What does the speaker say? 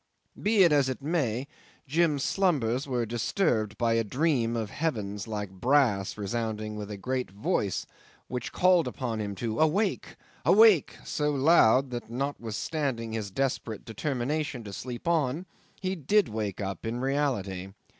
'Be it as it may, Jim's slumbers were disturbed by a dream of heavens like brass resounding with a great voice, which called upon him to Awake! Awake! so loud that, notwithstanding his desperate determination to sleep on, he did wake up in reality.